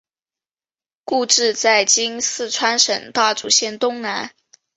故治在今四川省大竹县东南。